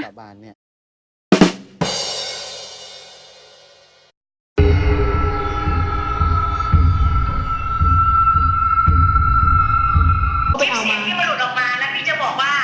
จริงหยุดออกมาแล้วนี้จะบอกว่า